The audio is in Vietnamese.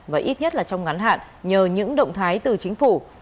và ít nhất là trong ngắn hạn nhờ những động thái từ chính phủ